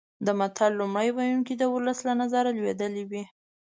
د متل لومړی ویونکی د ولس له نظره لوېدلی وي